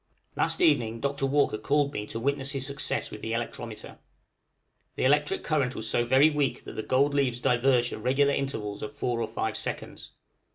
Last evening Dr. Walker called me to witness his success with the electrometer. The electric current was so very weak that the gold leaves diverged at regular intervals of four or five seconds.